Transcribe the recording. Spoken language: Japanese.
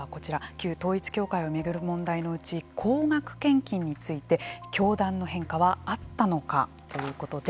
旧統一教会を巡る問題のうち高額献金について教団の変化はあったのかということで。